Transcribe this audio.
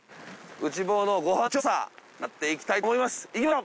内房のご飯調査やっていきたいと思います。